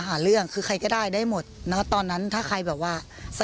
หาเรื่องคือใครก็ได้ได้หมดเนอะตอนนั้นถ้าใครแบบว่า